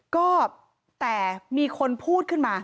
ก็แต่มีคนพูดขึ้นมา